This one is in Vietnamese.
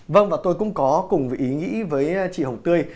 vâng và tôi cũng có cùng với ý nghĩ với chị hồng tươi